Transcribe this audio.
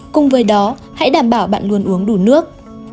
cùng với đó hãy đảm bảo bạn luôn uống đủ nước